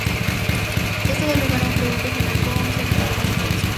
Esto da lugar a un producto final concentrado más intenso.